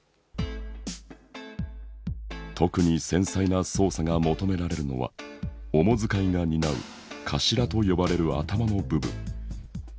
特に繊細な操作が求められるのは主遣いが担う首と呼ばれる頭の部分。